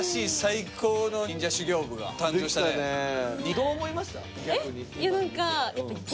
どう思いました？